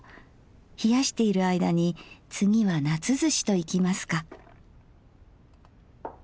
冷やしている間に次は夏ずしといきますか。